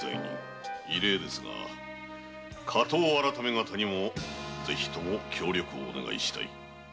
異例ですが「火盗改方」にもぜひとも協力をお願いしたい。